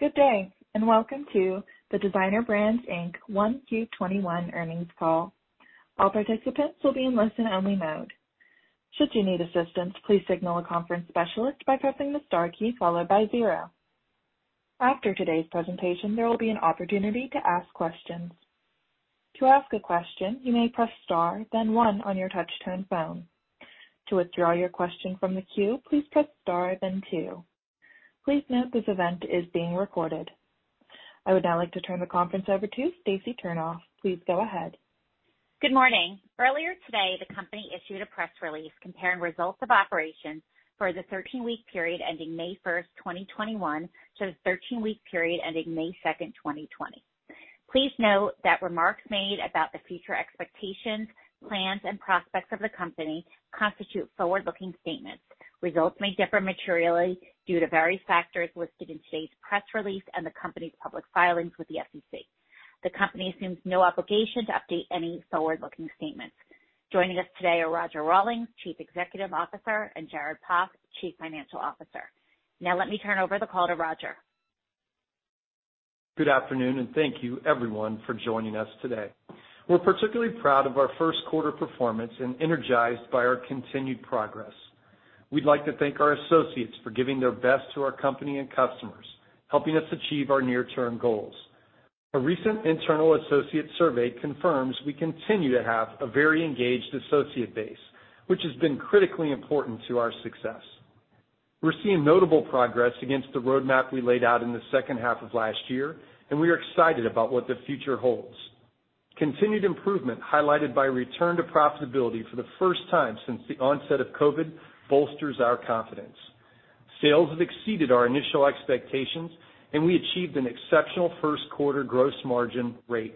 Good day, and welcome to the Designer Brands Inc. 1Q 2021 earnings call. All participants will be in listen-only mode. Should you need assistance, please signal a conference specialist by pressing the star key followed by zero. After today's presentation, there will be an opportunity to ask questions. To ask a question, you may press star then one on your touch-tone phone. To withdraw your question from the queue, please star then two. Please note this event is being recorded. I would now like to turn the conference over to Stacy Turnof. Please go ahead. Good morning. Earlier today, the company issued a press release comparing results of operations for the 13-week period ending May 1st, 2021, to the 13-week period ending May 2nd, 2020. Please note that remarks made about the future expectations, plans, and prospects of the company constitute forward-looking statements. Results may differ materially due to various factors listed in today's press release and the company's public filings with the SEC. The company assumes no obligation to update any forward-looking statements. Joining us today are Roger Rawlins, Chief Executive Officer, and Jared Poff, Chief Financial Officer. Now let me turn over the call to Roger. Good afternoon, and thank you everyone for joining us today. We're particularly proud of our first quarter performance and energized by our continued progress. We'd like to thank our associates for giving their best to our company and customers, helping us achieve our near-term goals. A recent internal associate survey confirms we continue to have a very engaged associate base, which has been critically important to our success. We're seeing notable progress against the roadmap we laid out in the second half of last year, and we are excited about what the future holds. Continued improvement highlighted by return to profitability for the first time since the onset of COVID bolsters our confidence. Sales have exceeded our initial expectations, and we achieved an exceptional first quarter gross margin rate.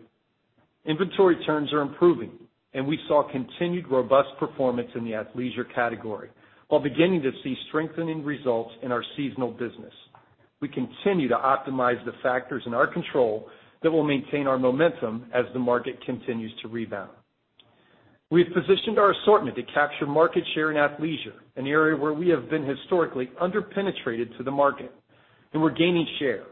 Inventory turns are improving, and we saw continued robust performance in the athleisure category, while beginning to see strengthening results in our seasonal business. We continue to optimize the factors in our control that will maintain our momentum as the market continues to rebound. We've positioned our assortment to capture market share in athleisure, an area where we have been historically under-penetrated to the market, and we're gaining share.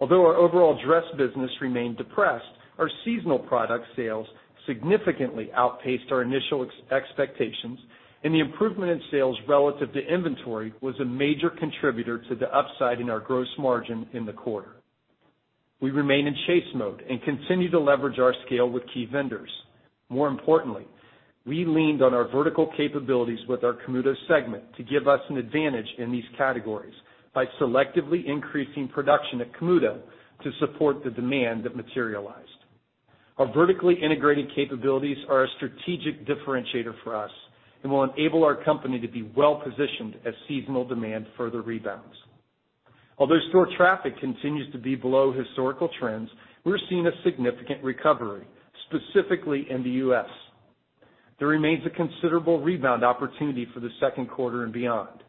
Although our overall dress business remained depressed, our seasonal product sales significantly outpaced our initial expectations, and the improvement in sales relative to inventory was a major contributor to the upside in our gross margin in the quarter. We remain in chase mode and continue to leverage our scale with key vendors. More importantly, we leaned on our vertical capabilities with our Camuto segment to give us an advantage in these categories by selectively increasing production at Camuto to support the demand that materialized. Our vertically integrated capabilities are a strategic differentiator for us and will enable our company to be well-positioned as seasonal demand further rebounds. Although store traffic continues to be below historical trends, we're seeing a significant recovery, specifically in the U.S. There remains a considerable rebound opportunity for the second quarter and beyond.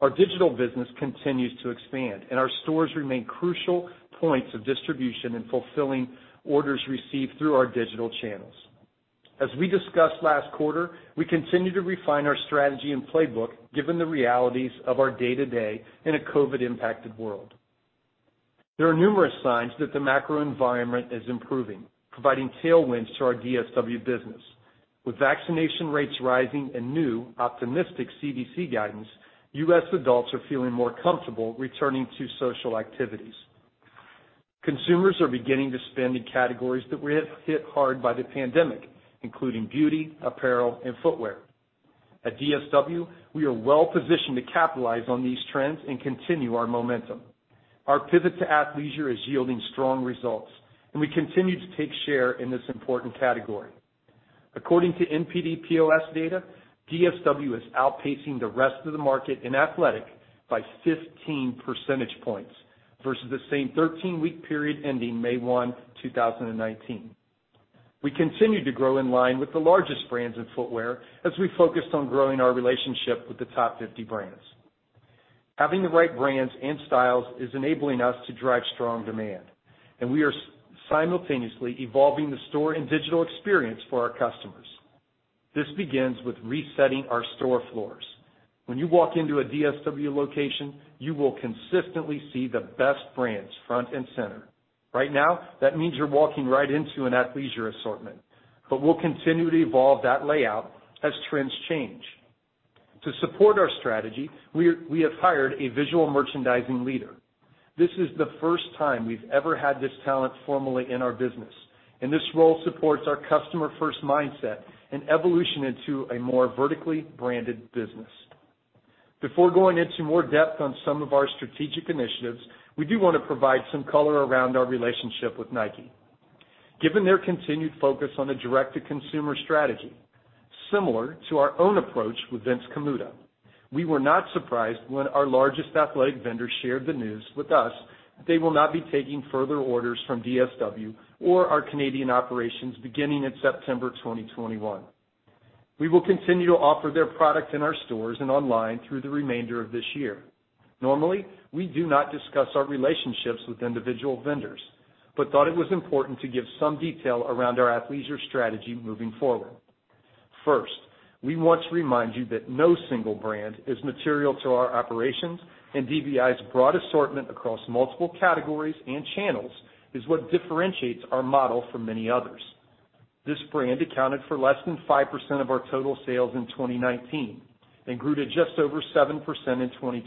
Our digital business continues to expand, and our stores remain crucial points of distribution in fulfilling orders received through our digital channels. As we discussed last quarter, we continue to refine our strategy and playbook given the realities of our day-to-day in a COVID-impacted world. There are numerous signs that the macro environment is improving, providing tailwinds to our DSW business. With vaccination rates rising and new optimistic CDC guidance, U.S. adults are feeling more comfortable returning to social activities. Consumers are beginning to spend in categories that were hit hard by the pandemic, including beauty, apparel, and footwear. At DSW, we are well-positioned to capitalize on these trends and continue our momentum. Our pivot to athleisure is yielding strong results, and we continue to take share in this important category. According to NPD POS data, DSW is outpacing the rest of the market in athletic by 15 percentage points versus the same 13-week period ending May 1, 2019. We continue to grow in line with the largest brands in footwear as we focused on growing our relationship with the top 50 brands. Having the right brands and styles is enabling us to drive strong demand, and we are simultaneously evolving the store and digital experience for our customers. This begins with resetting our store floors. When you walk into a DSW location, you will consistently see the best brands front and center. Right now, that means you're walking right into an athleisure assortment, but we'll continue to evolve that layout as trends change. To support our strategy, we have hired a visual merchandising leader. This is the first time we've ever had this talent formally in our business, and this role supports our customer-first mindset and evolution into a more vertically branded business. Before going into more depth on some of our strategic initiatives, we do want to provide some color around our relationship with Nike. Given their continued focus on a direct-to-consumer strategy, similar to our own approach with Vince Camuto, we were not surprised when our largest athletic vendor shared the news with us that they will not be taking further orders from DSW or our Canadian operations beginning in September 2021. We will continue to offer their product in our stores and online through the remainder of this year. Normally, we do not discuss our relationships with individual vendors, but thought it was important to give some detail around our athleisure strategy moving forward. First, we want to remind you that no single brand is material to our operations, and DBI's broad assortment across multiple categories and channels is what differentiates our model from many others. This brand accounted for less than 5% of our total sales in 2019 and grew to just over 7% in 2020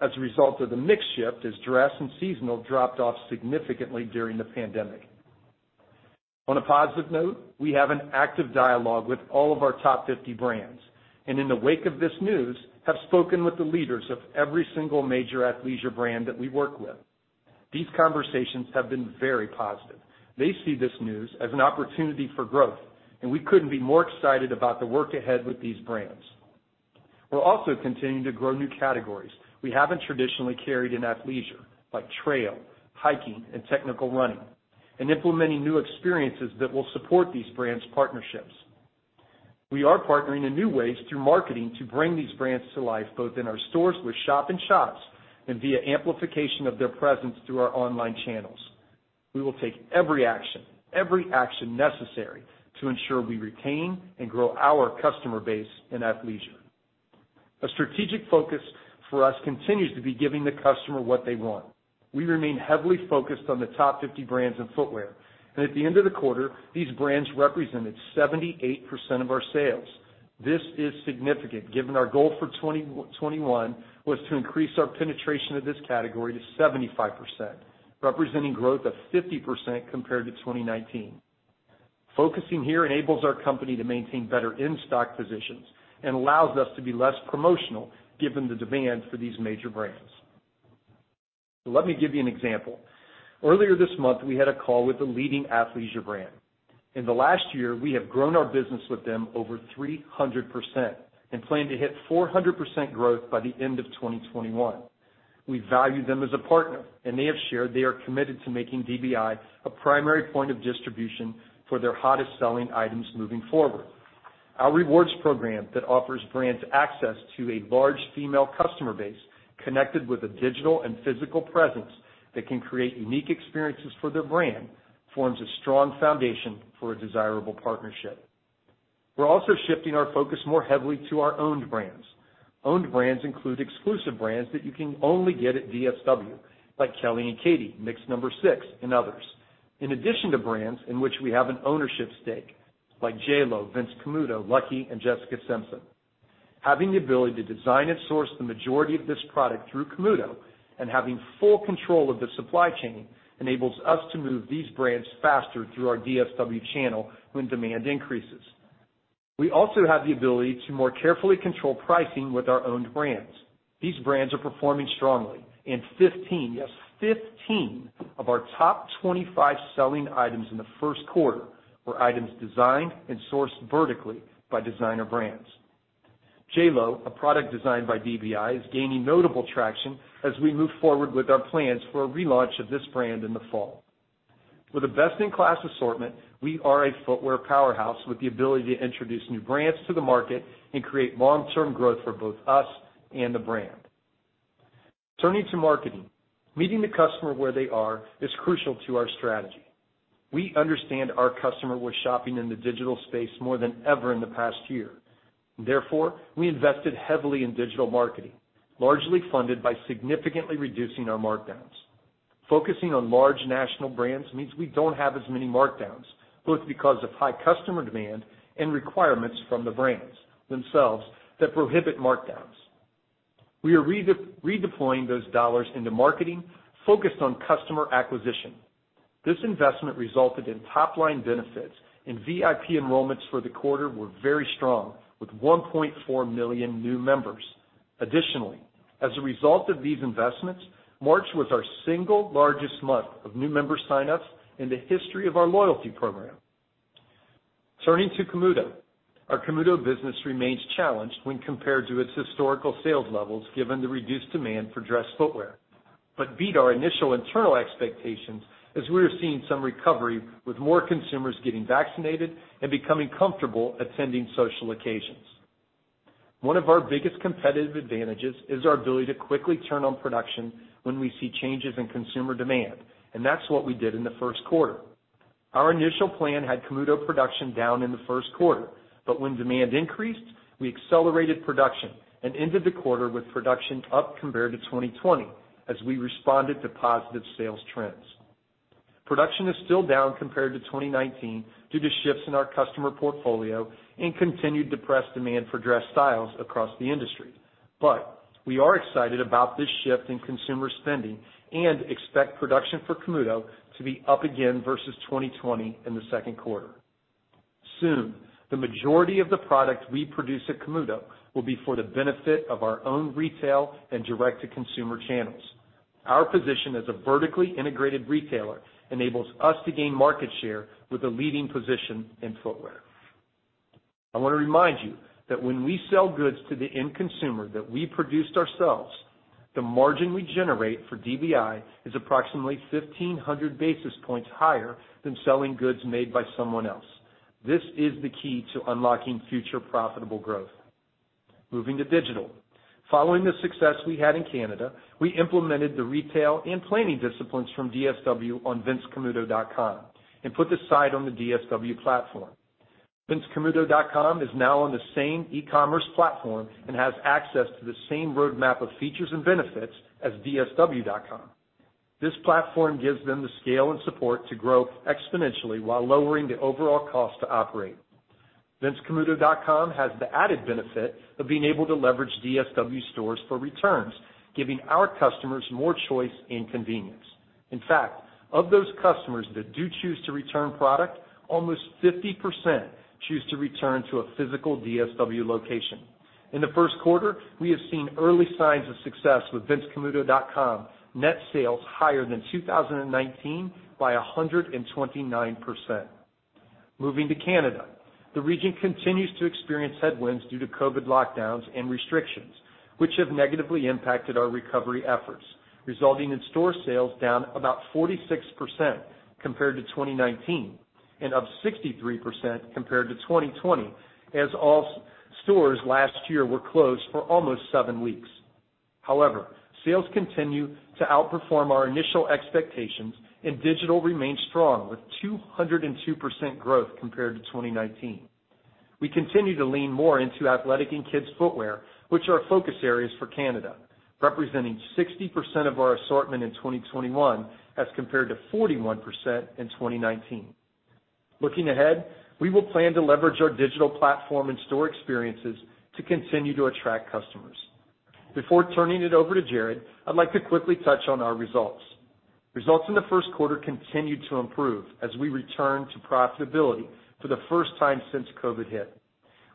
as a result of the mix shift as dress and seasonal dropped off significantly during the pandemic. On a positive note, we have an active dialogue with all of our top 50 brands, and in the wake of this news, have spoken with the leaders of every single major athleisure brand that we work with. These conversations have been very positive. They see this news as an opportunity for growth, and we couldn't be more excited about the work ahead with these brands. We're also continuing to grow new categories we haven't traditionally carried in athleisure, like trail, hiking, and technical running, and implementing new experiences that will support these brands' partnerships. We are partnering in new ways through marketing to bring these brands to life, both in our stores with shop-in-shops and via amplification of their presence through our online channels. We will take every action necessary to ensure we retain and grow our customer base in athleisure. A strategic focus for us continues to be giving the customer what they want. We remain heavily focused on the top 50 brands in footwear, and at the end of the quarter, these brands represented 78% of our sales. This is significant given our goal for 2021 was to increase our penetration of this category to 75%, representing growth of 50% compared to 2019. Focusing here enables our company to maintain better in-stock positions and allows us to be less promotional given the demand for these major brands. Let me give you an example. Earlier this month, we had a call with a leading athleisure brand. In the last year, we have grown our business with them over 300% and plan to hit 400% growth by the end of 2021. We value them as a partner. They have shared they are committed to making DBI a primary point of distribution for their hottest-selling items moving forward. Our rewards program that offers brands access to a large female customer base connected with a digital and physical presence that can create unique experiences for their brand forms a strong foundation for a desirable partnership. We're also shifting our focus more heavily to our owned brands. Owned brands include exclusive brands that you can only get at DSW, like Kelly & Katie, Mix No. 6, and others, in addition to brands in which we have an ownership stake, like JLO, Vince Camuto, Lucky, and Jessica Simpson. Having the ability to design and source the majority of this product through Camuto and having full control of the supply chain enables us to move these brands faster through our DSW channel when demand increases. We also have the ability to more carefully control pricing with our owned brands. These brands are performing strongly, and 15, yes, 15 of our top 25 selling items in the first quarter were items designed and sourced vertically by Designer Brands. JLO, a product designed by DBI, is gaining notable traction as we move forward with our plans for a relaunch of this brand in the fall. With a best-in-class assortment, we are a footwear powerhouse with the ability to introduce new brands to the market and create long-term growth for both us and the brand. Turning to marketing. Meeting the customer where they are is crucial to our strategy. We understand our customer was shopping in the digital space more than ever in the past year. Therefore, we invested heavily in digital marketing, largely funded by significantly reducing our markdowns. Focusing on large national brands means we don't have as many markdowns, both because of high customer demand and requirements from the brands themselves that prohibit markdowns. We are redeploying those dollars into marketing focused on customer acquisition. This investment resulted in top-line benefits, and VIP enrollments for the quarter were very strong, with 1.4 million new members. Additionally, as a result of these investments, March was our single largest month of new member sign-ups in the history of our loyalty program. Turning to Camuto. Our Camuto business remains challenged when compared to its historical sales levels, given the reduced demand for dress footwear, but beat our initial internal expectations as we are seeing some recovery with more consumers getting vaccinated and becoming comfortable attending social occasions. One of our biggest competitive advantages is our ability to quickly turn on production when we see changes in consumer demand, and that's what we did in the first quarter. Our initial plan had Camuto production down in the first quarter, but when demand increased, we accelerated production and ended the quarter with production up compared to 2020 as we responded to positive sales trends. Production is still down compared to 2019 due to shifts in our customer portfolio and continued depressed demand for dress styles across the industry. We are excited about this shift in consumer spending and expect production for Camuto to be up again versus 2020 in the second quarter. Soon, the majority of the product we produce at Camuto will be for the benefit of our own retail and direct-to-consumer channels. Our position as a vertically integrated retailer enables us to gain market share with a leading position in footwear. I want to remind you that when we sell goods to the end consumer that we produced ourselves, the margin we generate for DBI is approximately 1,500 basis points higher than selling goods made by someone else. This is the key to unlocking future profitable growth. Moving to digital. Following the success we had in Canada, we implemented the retail and planning disciplines from DSW on vincecamuto.com and put the site on the DSW platform. vincecamuto.com is now on the same e-commerce platform and has access to the same roadmap of features and benefits as dsw.com. This platform gives them the scale and support to grow exponentially while lowering the overall cost to operate. vincecamuto.com has the added benefit of being able to leverage DSW stores for returns, giving our customers more choice and convenience. In fact, of those customers that do choose to return product, almost 50% choose to return to a physical DSW location. In the first quarter, we have seen early signs of success with vincecamuto.com net sales higher than 2019 by 129%. Moving to Canada. The region continues to experience headwinds due to COVID lockdowns and restrictions, which have negatively impacted our recovery efforts, resulting in store sales down about 46% compared to 2019 and up 63% compared to 2020, as all stores last year were closed for almost seven weeks. Sales continue to outperform our initial expectations, and digital remains strong with 202% growth compared to 2019. We continue to lean more into athletic and kids footwear, which are focus areas for Canada, representing 60% of our assortment in 2021 as compared to 41% in 2019. Looking ahead, we will plan to leverage our digital platform and store experiences to continue to attract customers. Before turning it over to Jared, I'd like to quickly touch on our results. Results in the first quarter continued to improve as we return to profitability for the first time since COVID hit.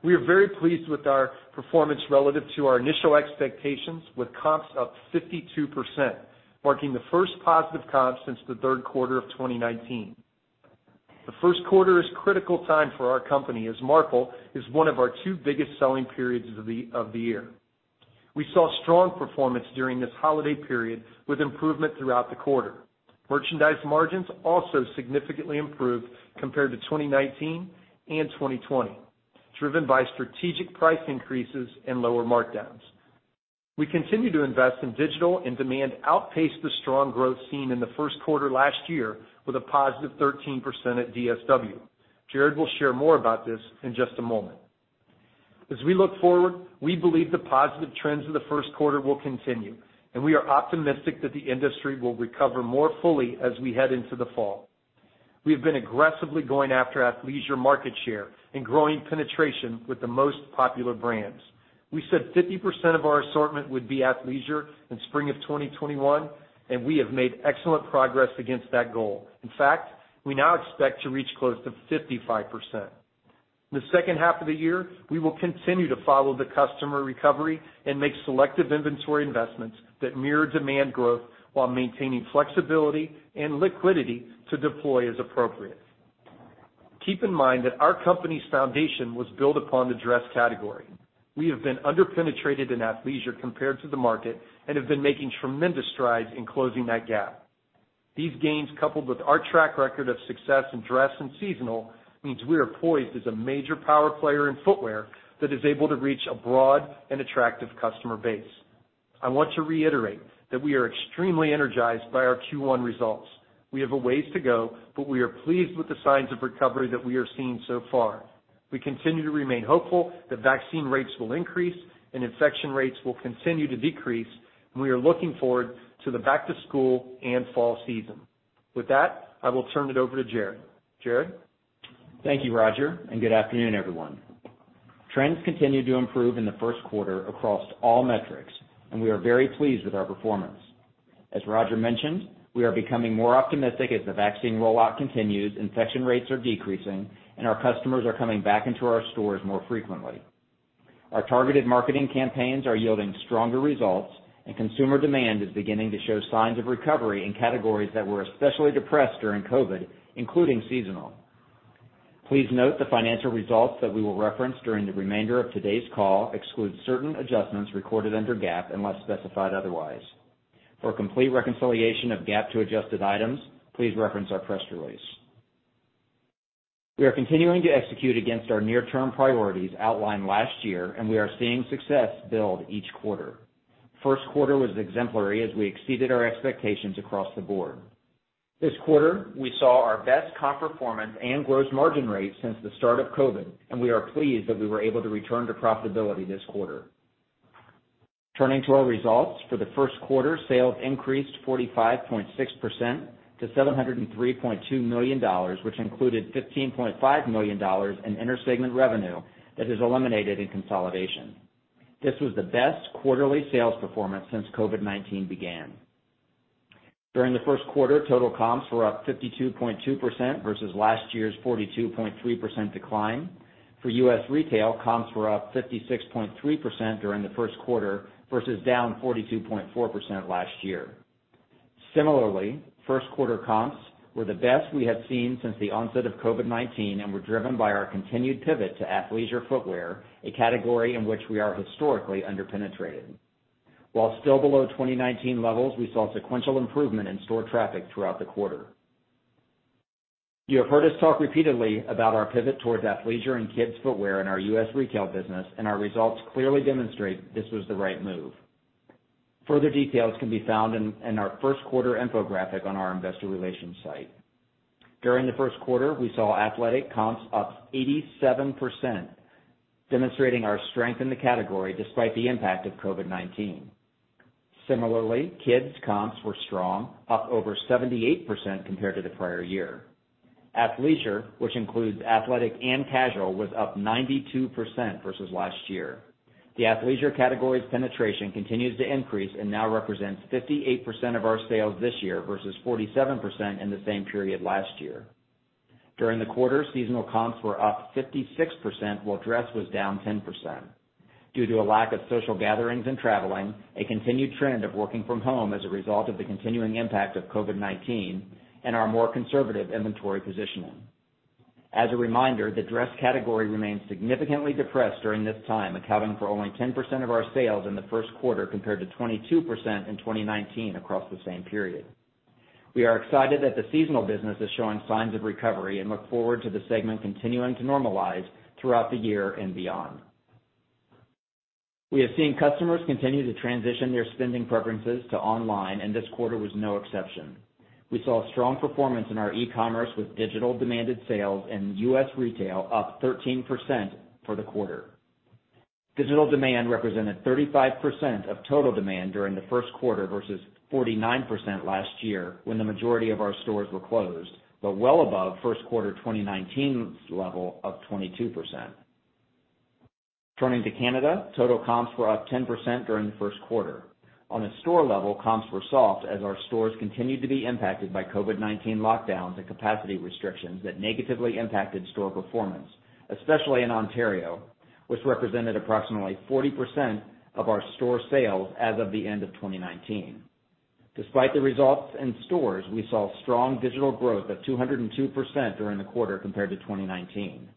We are very pleased with our performance relative to our initial expectations with comps up 52%, marking the first positive comp since the third quarter of 2019. The first quarter is a critical time for our company as March is one of our two biggest selling periods of the year. We saw strong performance during this holiday period with improvement throughout the quarter. Merchandise margins also significantly improved compared to 2019 and 2020, driven by strategic price increases and lower markdowns. We continue to invest in digital, and demand outpaced the strong growth seen in the first quarter last year with a positive 13% at DSW. Jared will share more about this in just a moment. As we look forward, we believe the positive trends of the first quarter will continue, and we are optimistic that the industry will recover more fully as we head into the fall. We have been aggressively going after athleisure market share and growing penetration with the most popular brands. We said 50% of our assortment would be athleisure in spring of 2021, and we have made excellent progress against that goal. In fact, we now expect to reach close to 55%. In the second half of the year, we will continue to follow the customer recovery and make selective inventory investments that mirror demand growth while maintaining flexibility and liquidity to deploy as appropriate. Keep in mind that our company's foundation was built upon the dress category. We have been under-penetrated in athleisure compared to the market and have been making tremendous strides in closing that gap. These gains, coupled with our track record of success in dress and seasonal, means we are poised as a major power player in footwear that is able to reach a broad and attractive customer base. I want to reiterate that we are extremely energized by our Q1 results. We have a ways to go, but we are pleased with the signs of recovery that we are seeing so far. We continue to remain hopeful that vaccine rates will increase and infection rates will continue to decrease, and we are looking forward to the back-to-school and fall season. With that, I will turn it over to Jared. Jared? Thank you, Roger, and good afternoon, everyone. Trends continue to improve in the first quarter across all metrics, and we are very pleased with our performance. As Roger mentioned, we are becoming more optimistic as the vaccine rollout continues, infection rates are decreasing, and our customers are coming back into our stores more frequently. Our targeted marketing campaigns are yielding stronger results, and consumer demand is beginning to show signs of recovery in categories that were especially depressed during COVID, including seasonal. Please note the financial results that we will reference during the remainder of today's call exclude certain adjustments recorded under GAAP, unless specified otherwise. For a complete reconciliation of GAAP to adjusted items, please reference our press release. We are continuing to execute against our near-term priorities outlined last year, and we are seeing success build each quarter. First quarter was exemplary as we exceeded our expectations across the board. This quarter, we saw our best comp performance and gross margin rate since the start of COVID, and we are pleased that we were able to return to profitability this quarter. Turning to our results, for the first quarter, sales increased 45.6% to $703.2 million, which included $15.5 million in inter-segment revenue that is eliminated in consolidation. This was the best quarterly sales performance since COVID-19 began. During the first quarter, total comps were up 52.2% versus last year's 42.3% decline. For U.S. Retail, comps were up 56.3% during the first quarter versus down 42.4% last year. Similarly, first quarter comps were the best we have seen since the onset of COVID-19 and were driven by our continued pivot to athleisure footwear, a category in which we are historically under-penetrated. While still below 2019 levels, we saw sequential improvement in store traffic throughout the quarter. You have heard us talk repeatedly about our pivot towards athleisure and kids' footwear in our U.S. Retail business, and our results clearly demonstrate this was the right move. Further details can be found in our first quarter infographic on our Investor Relations site. During the first quarter, we saw athletic comps up 87%, demonstrating our strength in the category despite the impact of COVID-19. Similarly, kids' comps were strong, up over 78% compared to the prior year. Athleisure, which includes athletic and casual, was up 92% versus last year. The athleisure category's penetration continues to increase and now represents 58% of our sales this year versus 47% in the same period last year. During the quarter, seasonal comps were up 56%, while dress was down 10% due to a lack of social gatherings and traveling, a continued trend of working from home as a result of the continuing impact of COVID-19, and our more conservative inventory positioning. As a reminder, the dress category remained significantly depressed during this time, accounting for only 10% of our sales in the first quarter, compared to 22% in 2019 across the same period. We are excited that the seasonal business is showing signs of recovery and look forward to the segment continuing to normalize throughout the year and beyond. We have seen customers continue to transition their spending preferences to online, and this quarter was no exception. We saw strong performance in our e-commerce, with digital demand sales and U.S. Retail up 13% for the quarter. Digital demand represented 35% of total demand during the first quarter versus 49% last year, when the majority of our stores were closed, but well above first quarter 2019's level of 22%. Turning to Canada, total comps were up 10% during the first quarter. On a store level, comps were soft as our stores continued to be impacted by COVID-19 lockdowns and capacity restrictions that negatively impacted store performance, especially in Ontario, which represented approximately 40% of our store sales as of the end of 2019. Despite the results in stores, we saw strong digital growth of 202% during the quarter compared to 2019.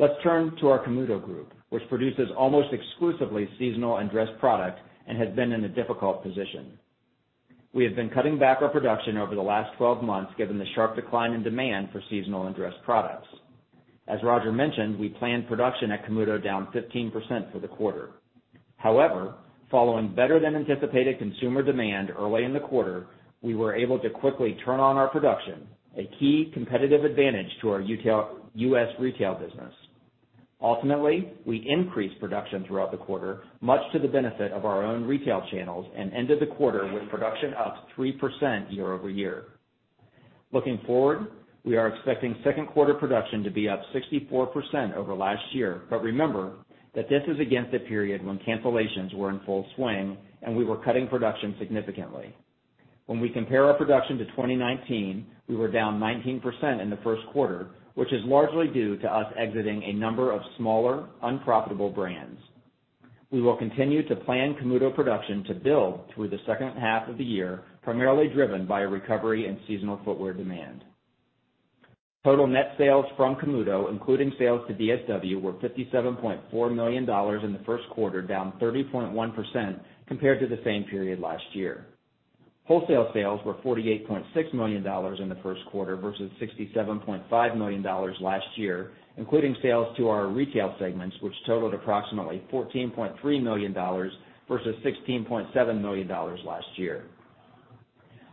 Let's turn to our Camuto Group, which produces almost exclusively seasonal and dress product and has been in a difficult position. We have been cutting back our production over the last 12 months given the sharp decline in demand for seasonal and dress products. As Roger mentioned, we planned production at Camuto down 15% for the quarter. Following better-than-anticipated consumer demand early in the quarter, we were able to quickly turn on our production, a key competitive advantage to our U.S. Retail business. Ultimately, we increased production throughout the quarter, much to the benefit of our own retail channels, and ended the quarter with production up 3% year-over-year. Looking forward, we are expecting second quarter production to be up 64% over last year. Remember that this is against a period when cancellations were in full swing, and we were cutting production significantly. When we compare our production to 2019, we were down 19% in the first quarter, which is largely due to us exiting a number of smaller, unprofitable brands. We will continue to plan Camuto production to build through the second half of the year, primarily driven by a recovery in seasonal footwear demand. Total net sales from Camuto, including sales to DSW, were $57.4 million in the first quarter, down 30.1% compared to the same period last year. Wholesale sales were $48.6 million in the first quarter versus $67.5 million last year, including sales to our Retail segments, which totaled approximately $14.3 million versus $16.7 million last year.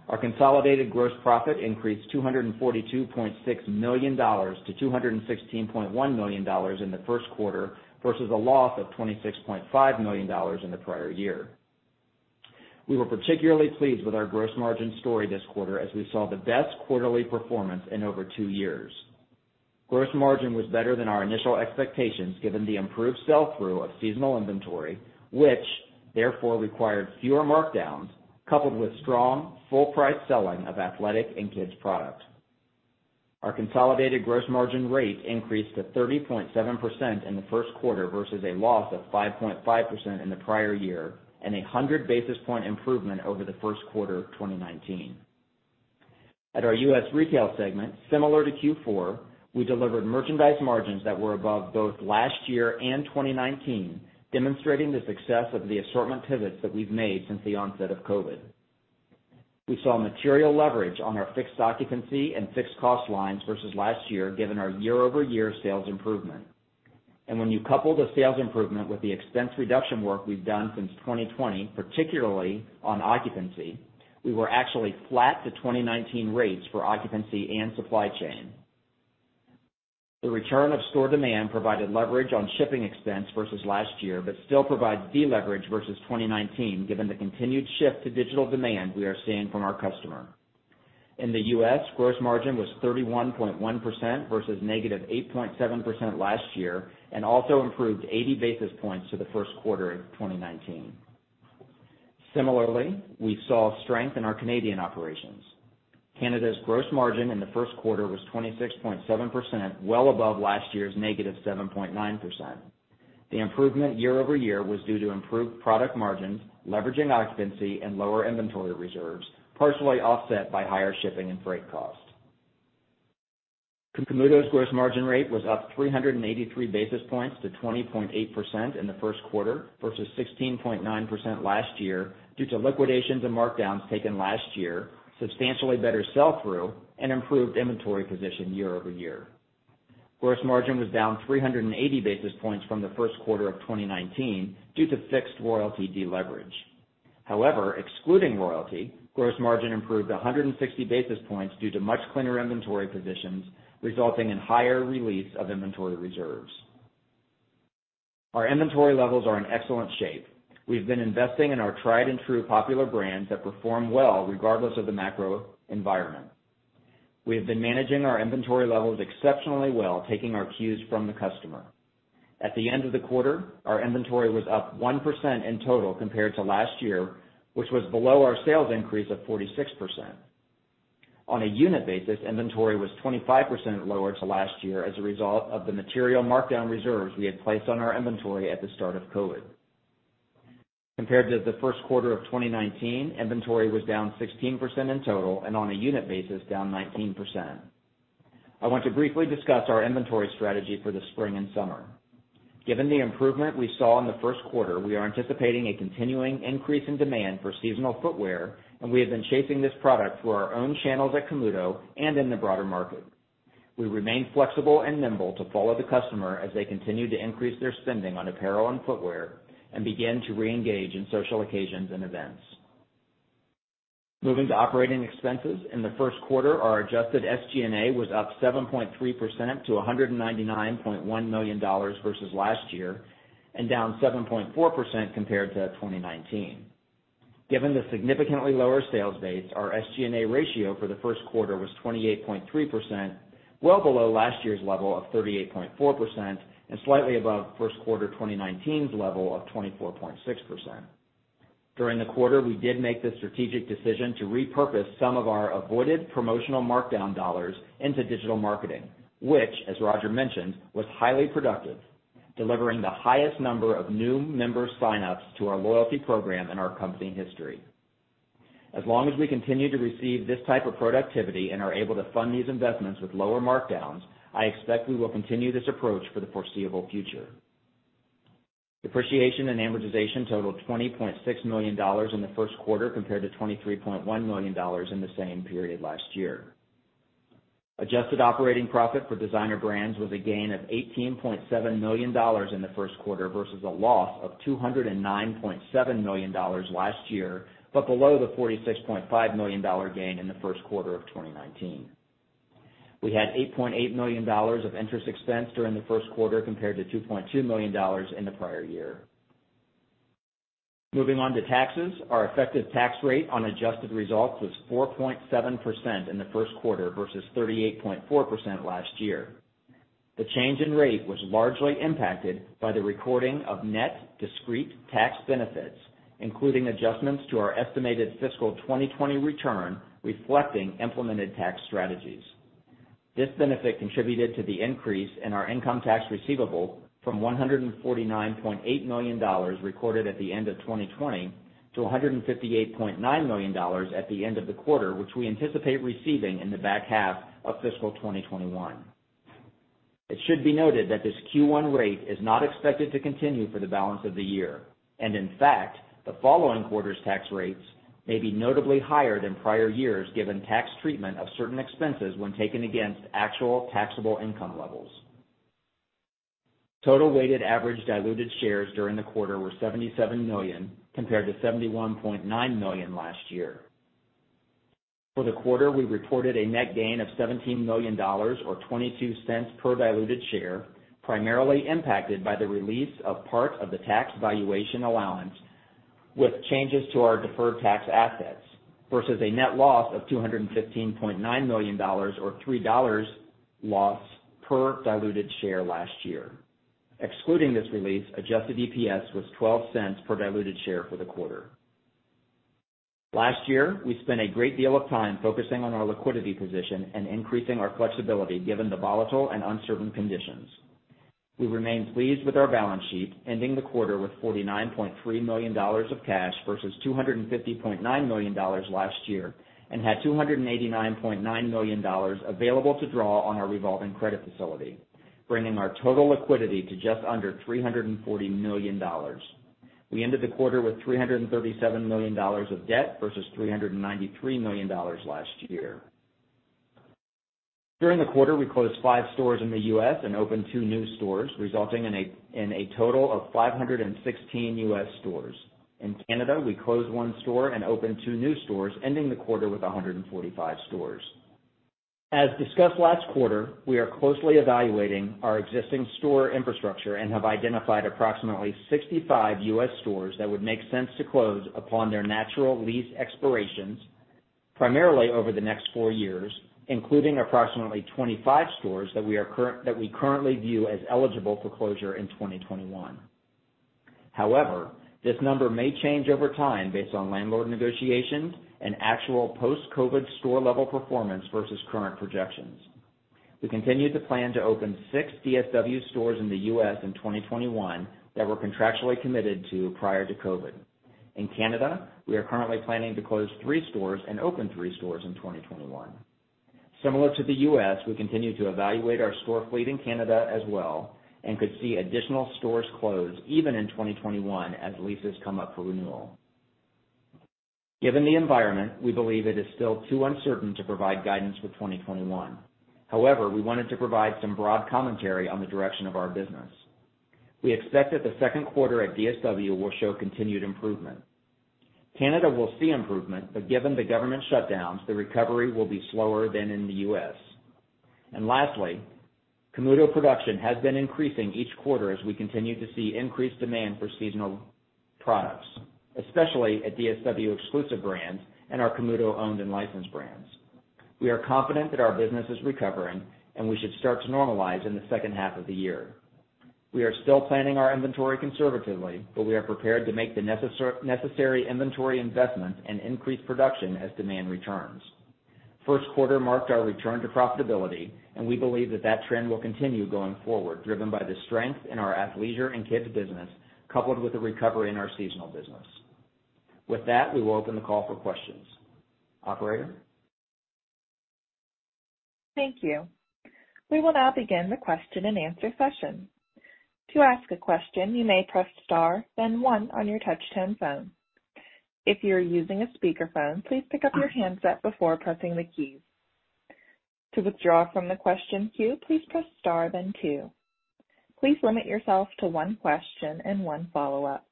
Our consolidated gross profit increased $242.6 million to $216.1 million in the first quarter versus a loss of $26.5 million in the prior year. We were particularly pleased with our gross margin story this quarter, as we saw the best quarterly performance in over two years. Gross margin was better than our initial expectations given the improved sell-through of seasonal inventory, which therefore required fewer markdowns, coupled with strong full price selling of athletic and kids' product. Our consolidated gross margin rate increased to 30.7% in the first quarter versus a loss of 5.5% in the prior year and a 100 basis point improvement over the first quarter of 2019. At our U.S. Retail segment, similar to Q4, we delivered merchandise margins that were above both last year and 2019, demonstrating the success of the assortment pivots that we've made since the onset of COVID. We saw material leverage on our fixed occupancy and fixed cost lines versus last year given our year-over-year sales improvement. When you couple the sales improvement with the expense reduction work we've done since 2020, particularly on occupancy, we were actually flat to 2019 rates for occupancy and supply chain. The return of store demand provided leverage on shipping expense versus last year, but still provides deleverage versus 2019 given the continued shift to digital demand we are seeing from our customer. In the U.S., gross margin was 31.1% versus -8.7% last year and also improved 80 basis points to the first quarter of 2019. Similarly, we saw strength in our Canadian operations. Canada's gross margin in the first quarter was 26.7%, well above last year's -7.9%. The improvement year-over-year was due to improved product margins, leveraging occupancy, and lower inventory reserves, partially offset by higher shipping and freight costs. Camuto's gross margin rate was up 383 basis points to 20.8% in the first quarter versus 16.9% last year due to liquidations and markdowns taken last year, substantially better sell-through, and improved inventory position year-over-year. Gross margin was down 380 basis points from the first quarter of 2019 due to fixed royalty deleverage. However, excluding royalty, gross margin improved 160 basis points due to much cleaner inventory positions, resulting in higher release of inventory reserves. Our inventory levels are in excellent shape. We've been investing in our tried and true popular brands that perform well regardless of the macro environment. We have been managing our inventory levels exceptionally well, taking our cues from the customer. At the end of the quarter, our inventory was up 1% in total compared to last year, which was below our sales increase of 46%. On a unit basis, inventory was 25% lower to last year as a result of the material markdown reserves we had placed on our inventory at the start of COVID. Compared to the first quarter of 2019, inventory was down 16% in total, and on a unit basis, down 19%. I want to briefly discuss our inventory strategy for the spring and summer. Given the improvement we saw in the first quarter, we are anticipating a continuing increase in demand for seasonal footwear, and we have been shaping this product for our own channels at Camuto and in the broader market. We remain flexible and nimble to follow the customer as they continue to increase their spending on apparel and footwear and begin to reengage in social occasions and events. Moving to operating expenses. In the first quarter, our adjusted SG&A was up 7.3% to $199.1 million versus last year, and down 7.4% compared to 2019. Given the significantly lower sales base, our SG&A ratio for the first quarter was 28.3%, well below last year's level of 38.4% and slightly above first quarter 2019's level of 24.6%. During the quarter, we did make the strategic decision to repurpose some of our avoided promotional markdown dollars into digital marketing, which, as Roger mentioned, was highly productive, delivering the highest number of new member sign-ups to our loyalty program in our company history. As long as we continue to receive this type of productivity and are able to fund these investments with lower markdowns, I expect we will continue this approach for the foreseeable future. Depreciation and amortization totaled $20.6 million in the first quarter, compared to $23.1 million in the same period last year. Adjusted operating profit for Designer Brands was a gain of $18.7 million in the first quarter versus a loss of $209.7 million last year, but below the $46.5 million gain in the first quarter of 2019. We had $8.8 million of interest expense during the first quarter, compared to $2.2 million in the prior year. Moving on to taxes, our effective tax rate on adjusted results was 4.7% in the first quarter versus 38.4% last year. The change in rate was largely impacted by the recording of net discrete tax benefits, including adjustments to our estimated fiscal 2020 return reflecting implemented tax strategies. This benefit contributed to the increase in our income tax receivable from $149.8 million recorded at the end of 2020 to $158.9 million at the end of the quarter, which we anticipate receiving in the back half of fiscal 2021. It should be noted that this Q1 rate is not expected to continue for the balance of the year. In fact, the following quarter's tax rates may be notably higher than prior years, given tax treatment of certain expenses when taken against actual taxable income levels. Total weighted average diluted shares during the quarter were 77 million, compared to 71.9 million last year. For the quarter, we reported a net gain of $17 million, or $0.22 per diluted share, primarily impacted by the release of part of the tax valuation allowance with changes to our deferred tax assets, versus a net loss of $215.9 million or $3 loss per diluted share last year. Excluding this release, adjusted EPS was $0.12 per diluted share for the quarter. Last year, we spent a great deal of time focusing on our liquidity position and increasing our flexibility given the volatile and uncertain conditions. We remain pleased with our balance sheet, ending the quarter with $49.3 million of cash versus $250.9 million last year, and had $289.9 million available to draw on our revolving credit facility, bringing our total liquidity to just under $340 million. We ended the quarter with $337 million of debt versus $393 million last year. During the quarter, we closed five stores in the U.S. and opened two new stores, resulting in a total of 516 U.S. stores. In Canada, we closed one store and opened two new stores, ending the quarter with 145 stores. As discussed last quarter, we are closely evaluating our existing store infrastructure and have identified approximately 65 U.S. stores that would make sense to close upon their natural lease expirations, primarily over the next four years, including approximately 25 stores that we currently view as eligible for closure in 2021. However, this number may change over time based on landlord negotiations and actual post-COVID store level performance versus current projections. We continue to plan to open six DSW stores in the U.S. in 2021 that were contractually committed to prior to COVID. In Canada, we are currently planning to close three stores and open three stores in 2021. Similar to the U.S., we continue to evaluate our store fleet in Canada as well and could see additional stores close even in 2021 as leases come up for renewal. Given the environment, we believe it is still too uncertain to provide guidance for 2021. However, we wanted to provide some broad commentary on the direction of our business. We expect that the second quarter at DSW will show continued improvement. Canada will see improvement, but given the government shutdowns, the recovery will be slower than in the U.S. Lastly, Camuto production has been increasing each quarter as we continue to see increased demand for seasonal products, especially at DSW exclusive brands and our Camuto owned and licensed brands. We are confident that our business is recovering, and we should start to normalize in the second half of the year. We are still planning our inventory conservatively, but we are prepared to make the necessary inventory investments and increase production as demand returns. First quarter marked our return to profitability, and we believe that that trend will continue going forward, driven by the strength in our athleisure and kids business, coupled with a recovery in our seasonal business. With that, we will open the call for questions. Operator? Thank you. We will now begin the question-and-answer session. To ask a question, you may press star then one on your touch-tone phone. If you are using a speakerphone, please pick up your handset before pressing the keys. To withdraw from the question queue, please press star then two. Please limit yourself to one question and one follow-up.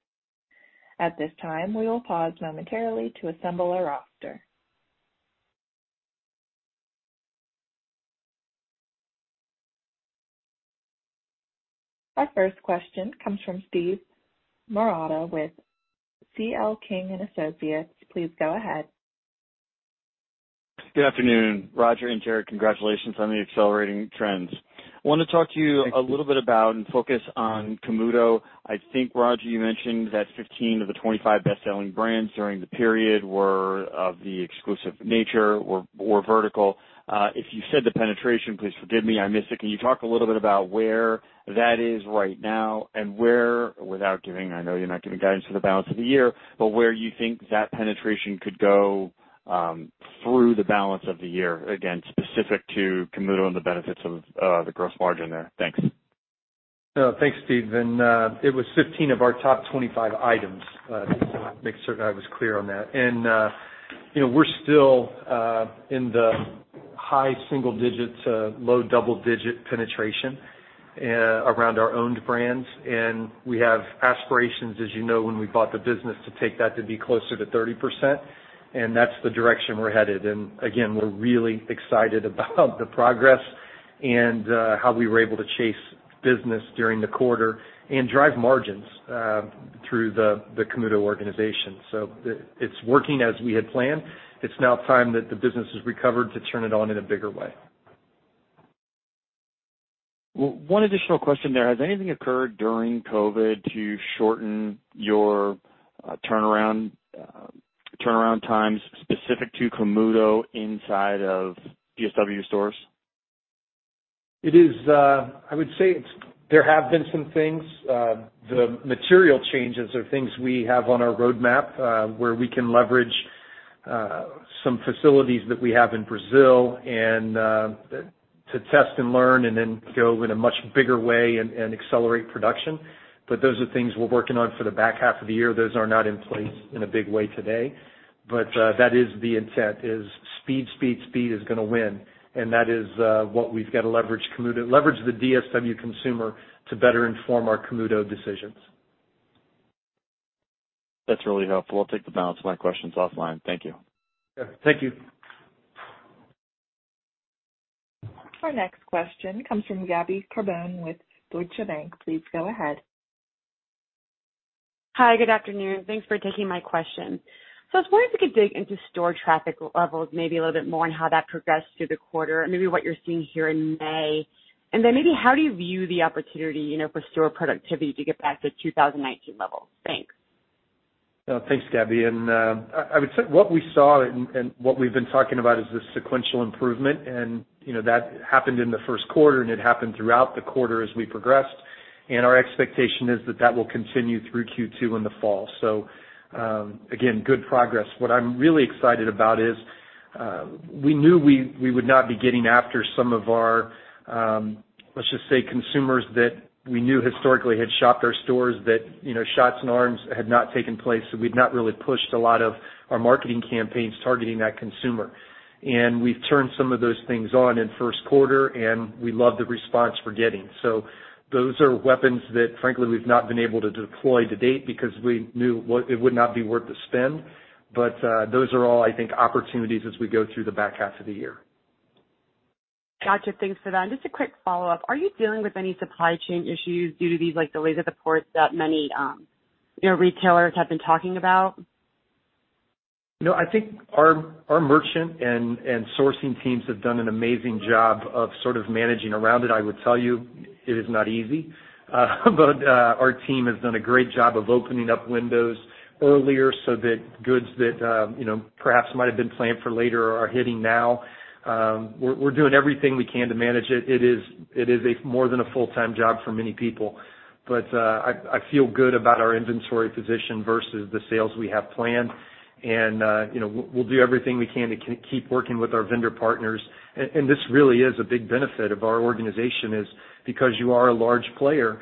At this time, we will pause momentarily to assemble a roster. Our first question comes from Steve Marotta with C.L. King & Associates. Please go ahead. Good afternoon, Roger and Jared. Congratulations on the accelerating trends. I want to talk to you a little bit about and focus on Camuto. I think, Roger, you mentioned that 15 of the 25 best-selling brands during the period were of the exclusive nature or vertical. If you said the penetration, please forgive me, I missed it. Can you talk a little bit about where that is right now and where, without giving, I know you're not giving guidance for the balance of the year, but where you think that penetration could go through the balance of the year, again, specific to Camuto and the benefits of the gross margin there? Thanks. Thanks, Steve. It was 15 of our top 25 items, just to make certain I was clear on that. We're still in the high single-digits, low double-digit penetration around our owned brands. We have aspirations, as you know, when we bought the business, to take that to be closer to 30%, and that's the direction we're headed. Again, we're really excited about the progress and how we were able to chase business during the quarter and drive margins through the Camuto organization. It's working as we had planned. It's now time that the business has recovered to turn it on in a bigger way. One additional question there. Has anything occurred during COVID to shorten your turnaround times specific to Camuto inside of DSW stores? I would say there have been some things. The material changes are things we have on our roadmap, where we can leverage some facilities that we have in Brazil to test and learn and then go in a much bigger way and accelerate production. Those are things we're working on for the back half of the year. Those are not in place in a big way today, but that is the intent is speed, speed is going to win, and that is what we've got to leverage Camuto, leverage the DSW consumer to better inform our Camuto decisions. That's really helpful. I'll take the balance of my questions offline. Thank you. Yeah, thank you. Our next question comes from Gabby Carbone with Deutsche Bank. Please go ahead. Hi, good afternoon. Thanks for taking my question. I was wondering if you could dig into store traffic levels maybe a little bit more on how that progressed through the quarter, and maybe what you're seeing here in May. Maybe how do you view the opportunity, for store productivity to get back to 2019 levels? Thanks. Thanks, Gabby, I would say what we saw and what we've been talking about is the sequential improvement, that happened in the first quarter, it happened throughout the quarter as we progressed. Our expectation is that that will continue through Q2 in the fall. Again, good progress. What I'm really excited about is, we knew we would not be getting after some of our, let's just say, consumers that we knew historically had shopped our stores that, shots in arms had not taken place, so we'd not really pushed a lot of our marketing campaigns targeting that consumer. We've turned some of those things on in first quarter, we love the response we're getting. Those are weapons that frankly, we've not been able to deploy to date because we knew it would not be worth the spend. Those are all, I think, opportunities as we go through the back half of the year. Gotcha. Thanks for that. Just a quick follow-up. Are you dealing with any supply chain issues due to these delays at the ports that many retailers have been talking about? No, I think our merchant and sourcing teams have done an amazing job of sort of managing around it. I would tell you it is not easy. Our team has done a great job of opening up windows earlier so that goods that perhaps might have been planned for later are hitting now. We're doing everything we can to manage it. It is more than a full-time job for many people. I feel good about our inventory position versus the sales we have planned. We'll do everything we can to keep working with our vendor partners. This really is a big benefit of our organization is because you are a large player,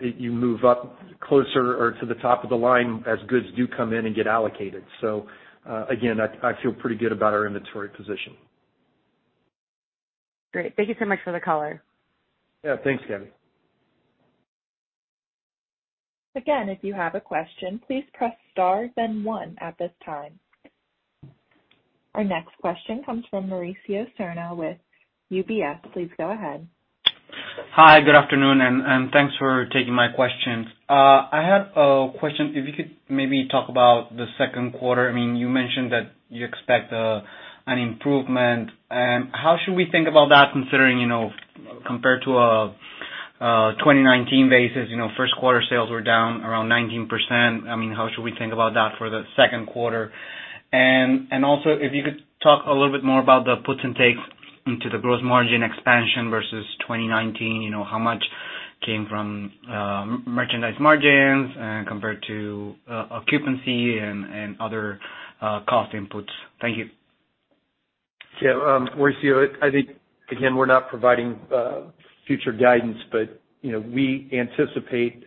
you move up closer or to the top of the line as goods do come in and get allocated. Again, I feel pretty good about our inventory position. Great. Thank you so much for the color. Yeah. Thanks, Gabby. Again, if you have a question, please press star then one at this time. Our next question comes from Mauricio Serna with UBS. Please go ahead. Hi, good afternoon, and thanks for taking my questions. I have a question. If you could maybe talk about the second quarter, you mentioned that you expect an improvement, how should we think about that considering, compared to a 2019 basis, first quarter sales were down around 19%, how should we think about that for the second quarter? Also if you could talk a little bit more about the puts and takes into the gross margin expansion versus 2019, how much came from merchandise margins and compared to occupancy and other cost inputs? Thank you. Mauricio, I think, again, we're not providing future guidance, but we anticipate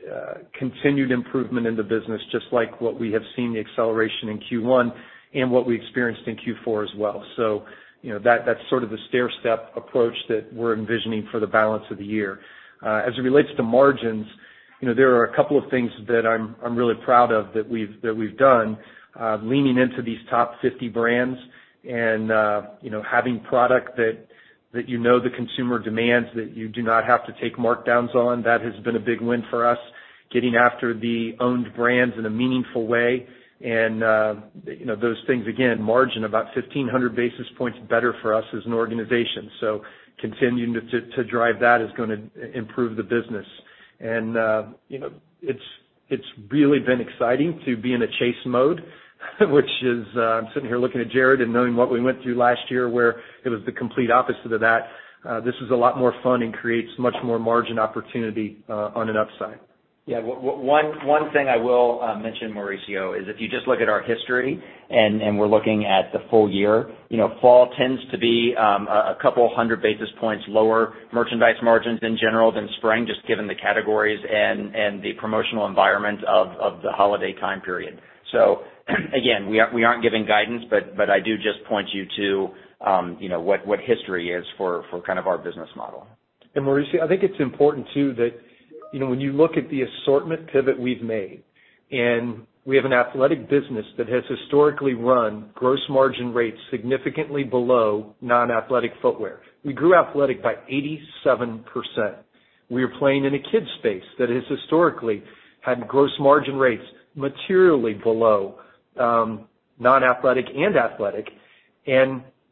continued improvement in the business just like what we have seen the acceleration in Q1 and what we experienced in Q4 as well. That's sort of the stairstep approach that we're envisioning for the balance of the year. As it relates to margins, there are a couple of things that I'm really proud of that we've done, leaning into these top 50 brands and having product that you know the consumer demands that you do not have to take markdowns on. That has been a big win for us. Getting after the owned brands in a meaningful way and those things, again, margin about 1,500 basis points better for us as an organization. Continuing to drive that is going to improve the business. It's really been exciting to be in a chase mode, which is sitting here looking at Jared and knowing what we went through last year where it was the complete opposite of that. This was a lot more fun and creates much more margin opportunity on an upside. Yeah. One thing I will mention, Mauricio, is if you just look at our history and we're looking at the full year, fall tends to be a couple of 100 basis points lower merchandise margins in general than spring, just given the categories and the promotional environment of the holiday time period. Again, we aren't giving guidance, but I do just point you to what history is for kind of our business model. Mauricio, I think it's important too that when you look at the assortment pivot we've made, and we have an athletic business that has historically run gross margin rates significantly below non-athletic footwear. We grew athletic by 87%. We are playing in a kids space that has historically had gross margin rates materially below non-athletic and athletic.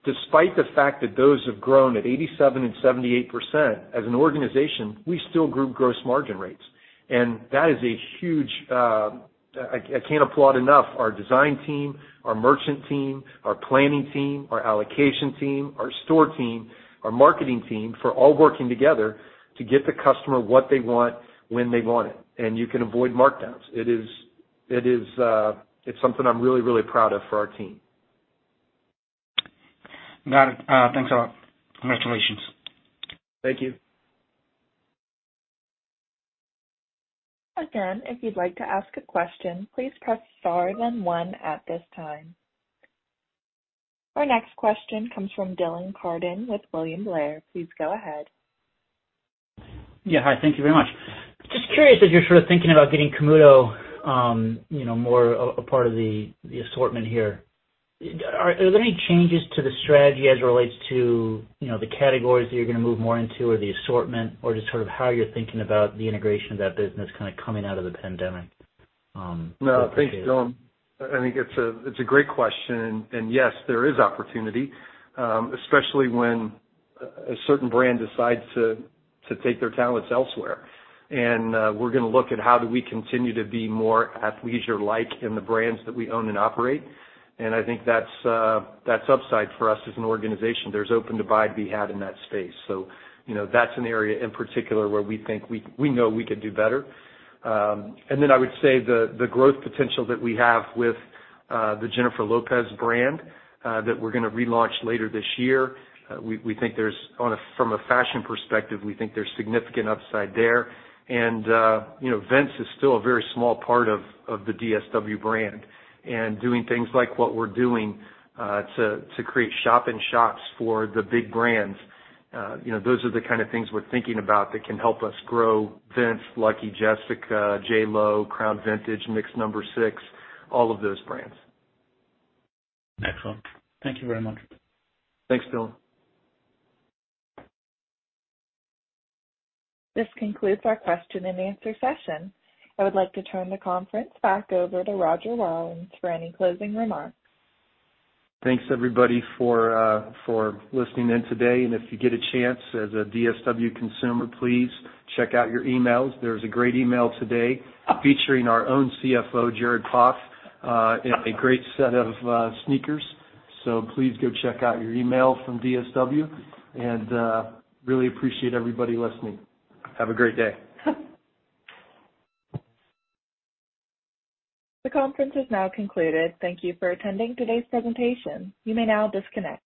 Despite the fact that those have grown at 87% and 78%, as an organization, we still grew gross margin rates. That is a huge I can't applaud enough our design team, our merchant team, our planning team, our allocation team, our store team, our marketing team for all working together to get the customer what they want when they want it, and you can avoid markdowns. It's something I'm really, really proud of for our team. Thanks a lot. Congratulations. Thank you. Again, if you'd like to ask a question, please press star then one at this time. Our next question comes from Dylan Carden with William Blair. Please go ahead. Yeah. Hi, thank you very much. Just curious, as you're sort of thinking about getting Camuto more a part of the assortment here. Are there any changes to the strategy as it relates to the categories that you're going to move more into or the assortment, or just sort of how you're thinking about the integration of that business kind of coming out of the pandemic perspective? No. Thanks, Dylan. I think it's a great question, and yes, there is opportunity, especially when a certain brand decides to take their talents elsewhere. We're going to look at how do we continue to be more athleisure-like in the brands that we own and operate, and I think that's upside for us as an organization. There's open-to-buy to be had in that space. That's an area in particular where we know we could do better. Then I would say the growth potential that we have with the Jennifer Lopez brand that we're going to relaunch later this year. From a fashion perspective, we think there's significant upside there. Vince is still a very small part of the DSW brand, and doing things like what we're doing to create shop in shops for the big brands. Those are the kind of things we're thinking about that can help us grow Vince, Lucky, Jessica, JLO, Crown Vintage, Mix No. 6, all of those brands. Excellent. Thank you very much. Thanks, Dylan. This concludes our question-and-answer session. I would like to turn the conference back over to Roger Rawlins for any closing remarks. Thanks everybody for listening in today. If you get a chance as a DSW consumer, please check out your emails. There's a great email today featuring our own CFO, Jared Poff, and a great set of sneakers. Please go check out your email from DSW, and really appreciate everybody listening. Have a great day. The conference is now concluded. Thank you for attending today's presentation. You may now disconnect.